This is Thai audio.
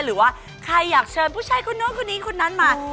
หรือว่าใครอยากเชิญผู้ชายคนนู้นคนนี้คนนั้นมา